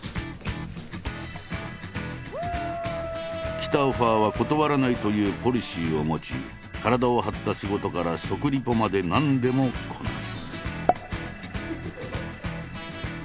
「来たオファーは断らない」というポリシーを持ち体を張った仕事から食リポまで何でもこなす。